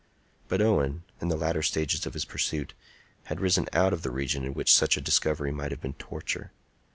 But Owen, in the latter stages of his pursuit, had risen out of the region in which such a discovery might have been torture.